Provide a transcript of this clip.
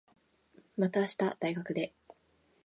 また明日、大学で。